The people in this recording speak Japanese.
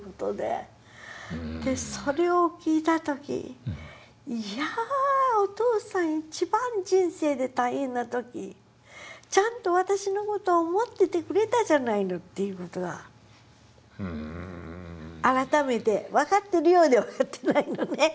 それを聞いた時「いやお父さん一番人生で大変な時ちゃんと私の事を思っててくれたじゃないの」っていう事が改めて分かってるようで分かってないのね。